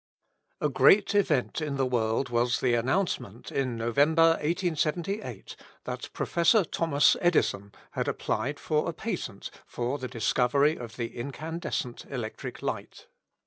A great event in the world was the announcement in November, 1878, that Professor Thomas Edison had applied for a patent for the discovery of the incandescent electric light.